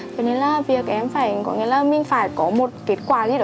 cho nên là việc em phải có nghĩa là mình phải có một kết quả gì đó